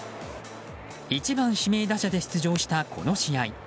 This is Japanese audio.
１番指名打者で出場したこの試合